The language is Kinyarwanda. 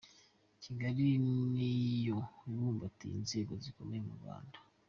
Kigali ni yo ibumbatiye inzego zikomeye mu Rwanda.